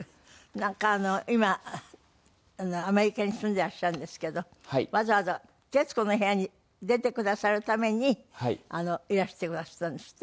なんか今アメリカに住んでいらっしゃるんですけどわざわざ『徹子の部屋』に出てくださるためにいらしてくだすったんですって？